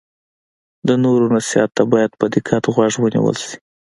د نورو نصیحت ته باید په دقت غوږ ونیول شي.